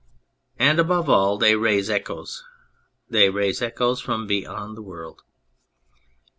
And, above all, they raise echoes : they raise echoes from beyond the world.